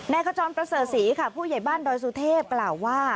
แนกจรประเสษีค่ะผู้ใหญ่บ้านดสุเทพกล่าวว่า